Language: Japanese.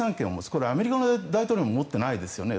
これはアメリカの大統領も持っていないですよね。